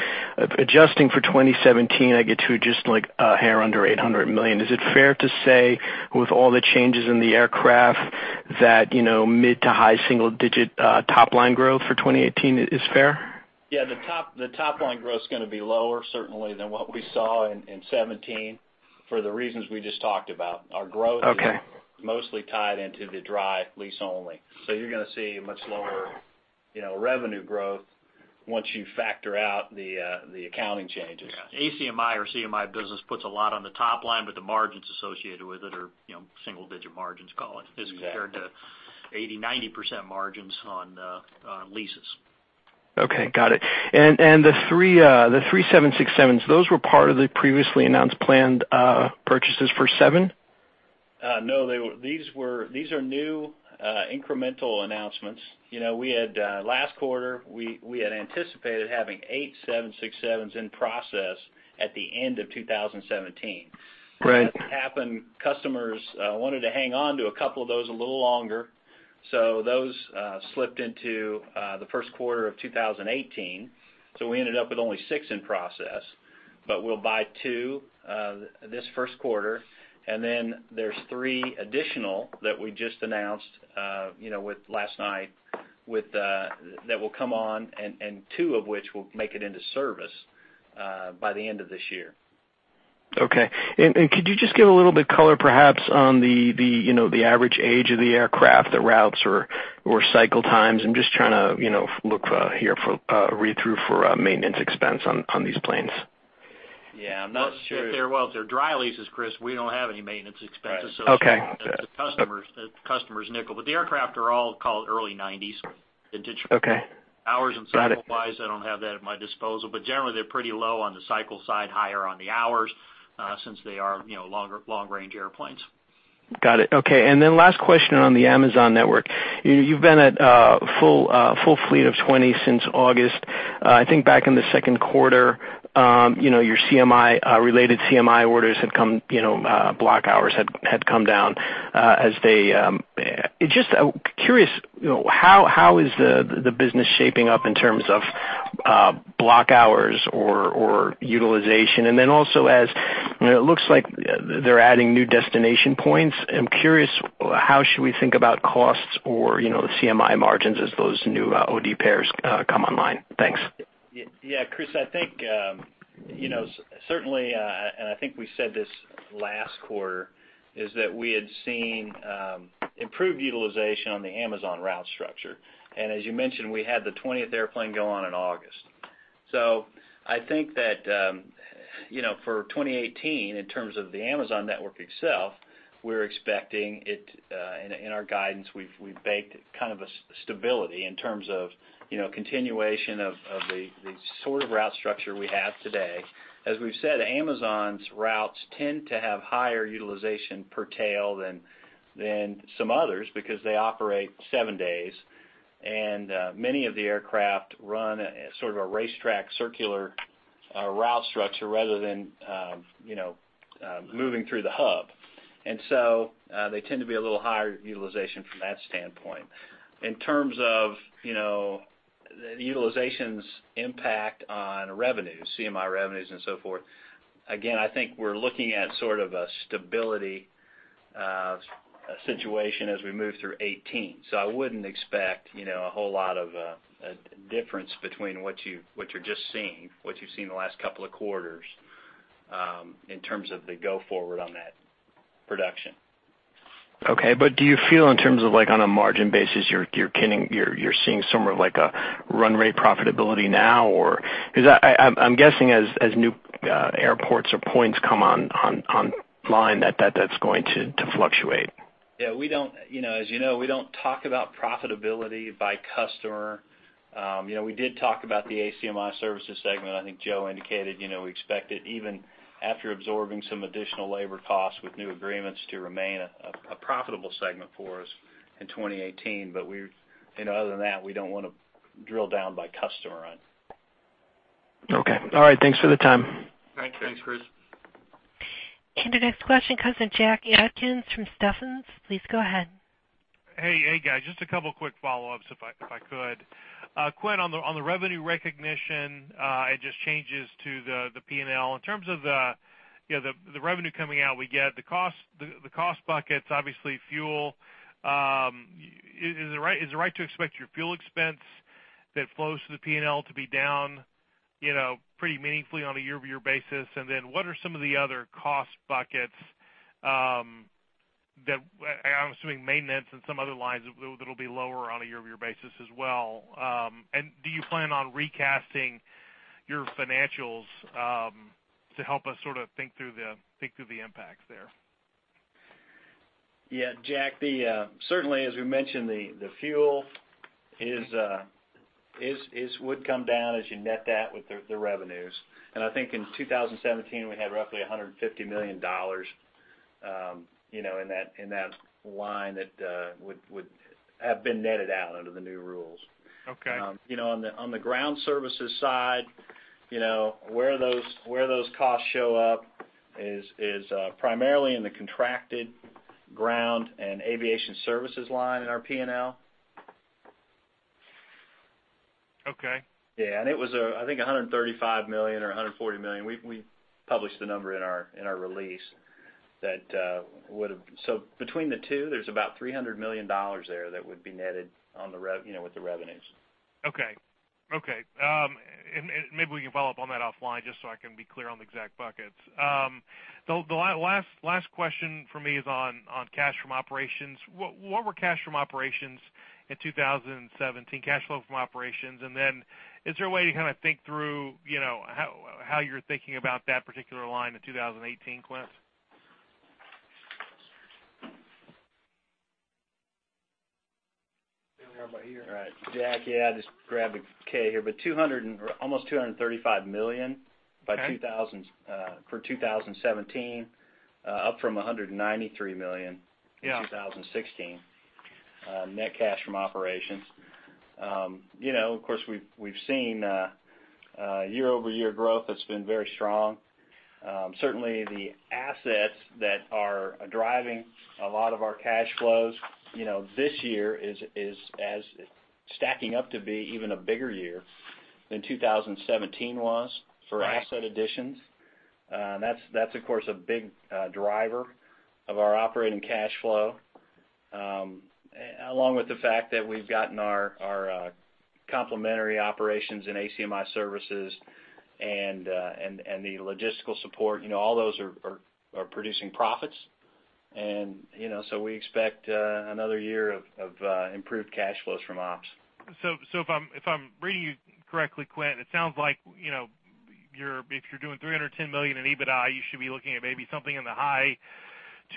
adjusting for 2017, I get to just a hair under $800 million. Is it fair to say with all the changes in the aircraft that mid to high single-digit top-line growth for 2018 is fair? Yeah, the top line growth is going to be lower certainly than what we saw in 2017 for the reasons we just talked about. Okay. Our growth is mostly tied into the dry lease only. You're going to see much lower revenue growth once you factor out the accounting changes. ACMI or CMI business puts a lot on the top line, the margins associated with it are single-digit margins. Exactly as compared to 80%-90% margins on leases. Okay, got it. The three 767s, those were part of the previously announced planned purchases for seven? No, these are new incremental announcements. Last quarter, we had anticipated having eight 767s in process at the end of 2017. Right. What happened, customers wanted to hang on to a couple of those a little longer. Those slipped into the first quarter of 2018. We ended up with only six in process. We'll buy two this first quarter. Then there's three additional that we just announced last night that will come on. Two of which will make it into service by the end of this year. Okay. Could you just give a little bit color perhaps on the average age of the aircraft, the routes or cycle times? I'm just trying to look here for a read-through for maintenance expense on these planes. Yeah, I'm not sure. Well, if they're dry leases, Chris, we don't have any maintenance expenses. Okay. It's the customer's nickel, but the aircraft are all called early '90s. Okay. Hours and cycle-wise, I don't have that at my disposal. Generally, they're pretty low on the cycle side, higher on the hours, since they are long-range airplanes. Got it. Last question on the Amazon network. You've been at full fleet of 20 since August. I think back in the second quarter, your CMI related CMI orders had come, block hours had come down. Just curious, how is the business shaping up in terms of block hours or utilization? Also as it looks like they're adding new destination points, I'm curious, how should we think about costs or CMI margins as those new OD pairs come online? Thanks. Yeah, Chris, I think, certainly, we said this last quarter, is that we had seen improved utilization on the Amazon route structure. As you mentioned, we had the 20th airplane go on in August. I think that for 2018, in terms of the Amazon network itself, we're expecting it, in our guidance, we've baked kind of a stability in terms of continuation of the sort of route structure we have today. As we've said, Amazon's routes tend to have higher utilization per tail than some others because they operate seven days, and many of the aircraft run sort of a racetrack circular route structure rather than moving through the hub. They tend to be a little higher utilization from that standpoint. In terms of the utilization's impact on revenues, CMI revenues and so forth, again, I think we're looking at sort of a stability situation as we move through 2018. I wouldn't expect a whole lot of a difference between what you're just seeing, what you've seen the last couple of quarters, in terms of the go forward on that production. Okay, do you feel in terms of like on a margin basis, you're seeing somewhere like a run rate profitability now? Because I'm guessing as new airports or points come online, that that's going to fluctuate. Yeah. As you know, we don't talk about profitability by customer. We did talk about the ACMI Services segment. I think Joe indicated, we expect it even after absorbing some additional labor costs with new agreements to remain a profitable segment for us in 2018. Other than that, we don't want to drill down by customer on it. Okay. All right. Thanks for the time. Thanks, Chris. The next question comes from Jack Atkins from Stephens. Please go ahead. Hey, guys, just a couple quick follow-ups if I could. Quint, on the revenue recognition, it just changes to the P&L. In terms of the revenue coming out, we get the cost buckets, obviously fuel. Is it right to expect your fuel expense that flows to the P&L to be down pretty meaningfully on a year-over-year basis? What are some of the other cost buckets that, I'm assuming maintenance and some other lines that'll be lower on a year-over-year basis as well? Do you plan on recasting your financials to help us sort of think through the impacts there? Yeah, Jack. Certainly, as we mentioned, the fuel would come down as you net that with the revenues. I think in 2017, we had roughly $150 million in that line that would have been netted out under the new rules. Okay. On the Ground Services side, where those costs show up is primarily in the contracted ground and aviation services line in our P&L. Okay. Yeah. It was, I think, $135 million or $140 million. We published the number in our release. Between the two, there's about $300 million there that would be netted with the revenues. Okay. Maybe we can follow up on that offline just so I can be clear on the exact buckets. The last question from me is on cash from operations. What were cash from operations in 2017, cash flow from operations? Is there a way to kind of think through how you're thinking about that particular line in 2018, Quint? I have it here. All right, Jack, yeah, I just grabbed the K here. Almost $235 million for 2017, up from $193 million in 2016 net cash from operations. Of course, we've seen year-over-year growth that's been very strong. Certainly, the assets that are driving a lot of our cash flows this year is stacking up to be even a bigger year than 2017 was for asset additions. That's of course, a big driver of our operating cash flow. Along with the fact that we've gotten our complimentary operations in ACMI Services and the logistical support, all those are producing profits. We expect another year of improved cash flows from ops. if I'm reading you correctly, Quint, it sounds like, if you're doing $310 million in EBITDA, you should be looking at maybe something in the high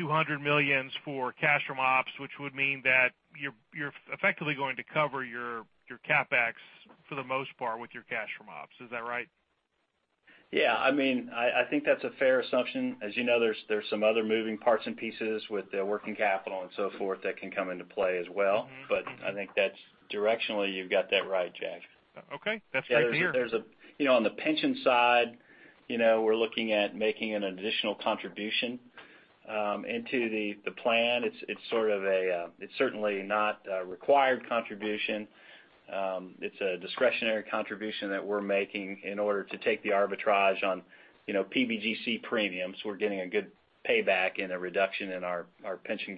$200 millions for cash from ops, which would mean that you're effectively going to cover your CapEx for the most part with your cash from ops. Is that right? Yeah, I think that's a fair assumption. As you know, there's some other moving parts and pieces with working capital and so forth that can come into play as well. I think that directionally, you've got that right, Jack. Okay. That's good to hear. On the pension side, we're looking at making an additional contribution into the plan. It's certainly not a required contribution. It's a discretionary contribution that we're making in order to take the arbitrage on PBGC premiums. We're getting a good payback and a reduction in our Pension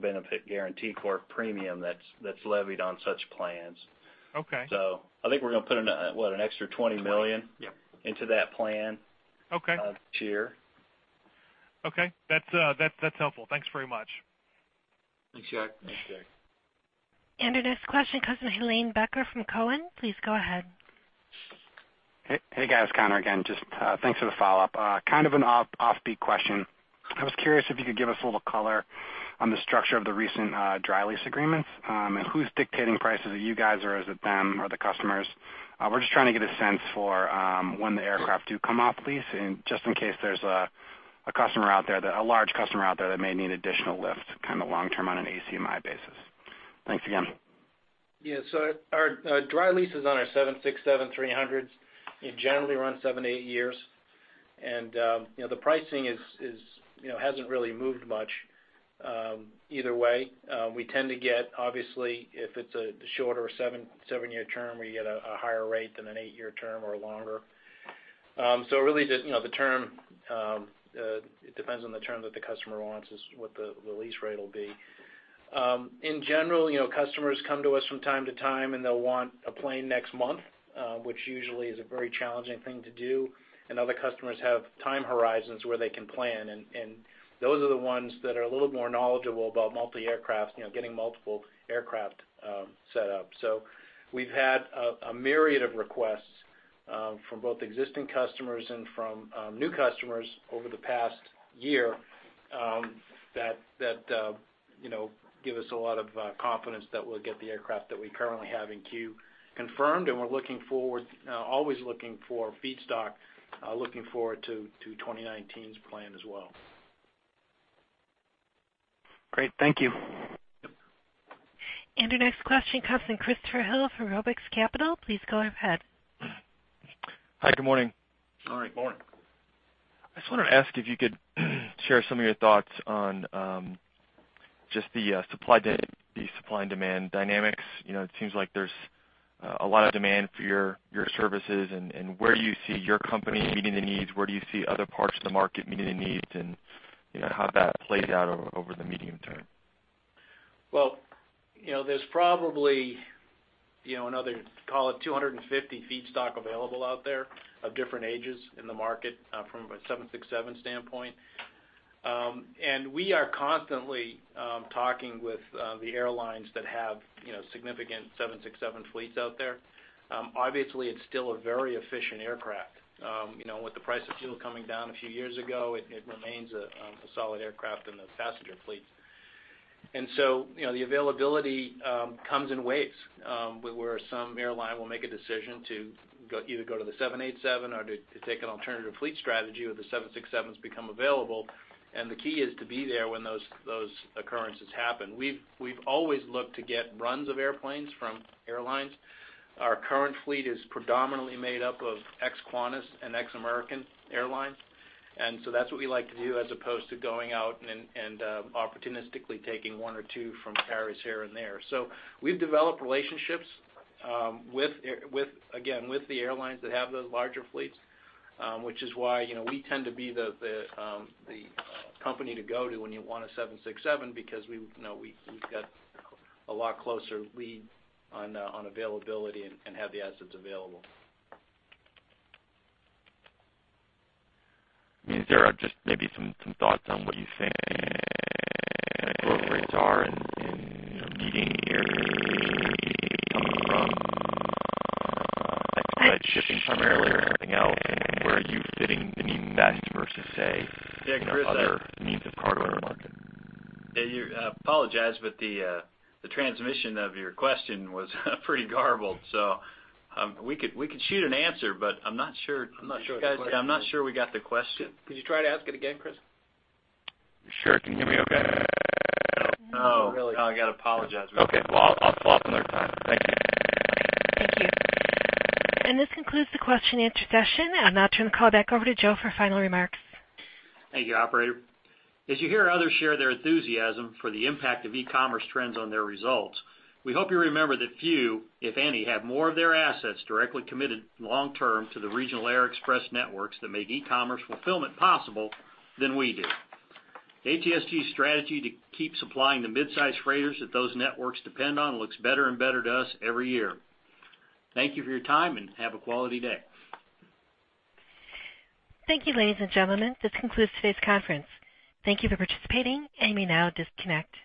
Benefit Guaranty Corporation premium that's levied on such plans. Okay. I think we're going to put in, what, an extra $20 million? Yep. Into that plan Okay this year. Okay. That's helpful. Thanks very much. Thanks, Jack. Thanks, Jack. Our next question comes in. Helane Becker from Cowen, please go ahead. Hey, guys. It's Conor again. Just thanks for the follow-up. Kind of an offbeat question. I was curious if you could give us a little color on the structure of the recent dry lease agreements. Who's dictating prices? Is it you guys, or is it them or the customers? We're just trying to get a sense for when the aircraft do come off lease, and just in case there's a large customer out there that may need additional lift, kind of long-term on an ACMI basis. Thanks again. Yeah. Our dry leases on our 767-300s, they generally run 7-8 years. The pricing hasn't really moved much either way. We tend to get, obviously, if it's a shorter seven-year term, we get a higher rate than an eight-year term or longer. Really, it depends on the term that the customer wants is what the lease rate will be. In general, customers come to us from time to time, and they'll want a plane next month, which usually is a very challenging thing to do, and other customers have time horizons where they can plan, and those are the ones that are a little more knowledgeable about getting multiple aircraft set up. We've had a myriad of requests from both existing customers and from new customers over the past year that give us a lot of confidence that we'll get the aircraft that we currently have in queue confirmed, and we're always looking for feedstock, looking forward to 2019's plan as well. Great. Thank you. Yep. Our next question comes from Christopher Hill from Robus Capital, please go ahead. Hi, good morning. Good morning. Morning. I just wanted to ask if you could share some of your thoughts on just the supply and demand dynamics. It seems like there's a lot of demand for your services and where you see your company meeting the needs, where do you see other parts of the market meeting the needs, and how that plays out over the medium term. Well, there's probably another, call it 250 feedstock available out there of different ages in the market from a 767 standpoint. We are constantly talking with the airlines that have significant 767 fleets out there. Obviously, it's still a very efficient aircraft. With the price of fuel coming down a few years ago, it remains a solid aircraft in the passenger fleet. The availability comes in waves, where some airline will make a decision to either go to the 787 or to take an alternative fleet strategy where the 767s become available, and the key is to be there when those occurrences happen. We've always looked to get runs of airplanes from airlines. Our current fleet is predominantly made up of ex-Qantas and ex-American Airlines. That's what we like to do as opposed to going out and opportunistically taking one or two from Paris here and there. We've developed relationships, again, with the airlines that have those larger fleets, which is why we tend to be the company to go to when you want a 767 because we've got a lot closer lead on availability and have the assets available. Is there just maybe some thoughts on what you think the growth rates are and leading indicators of where this is coming from? That shift from air to everything else and where are you fitting in that versus, say- Yeah, Chris, I- other means of cargo in the market. I apologize, but the transmission of your question was pretty garbled, so we could shoot an answer, but I'm not sure we got the question. Could you try to ask it again, Chris? Sure. Can you hear me okay? No. No, I got to apologize. Okay. Well, I'll call some other time. Thank you. Thank you. This concludes the question and answer session. I'll now turn the call back over to Joe for final remarks. Thank you, operator. As you hear others share their enthusiasm for the impact of e-commerce trends on their results, we hope you remember that few, if any, have more of their assets directly committed long-term to the regional air express networks that make e-commerce fulfillment possible than we do. ATSG's strategy to keep supplying the midsize freighters that those networks depend on looks better and better to us every year. Thank you for your time, and have a quality day. Thank you, ladies and gentlemen. This concludes today's conference. Thank you for participating. You may now disconnect.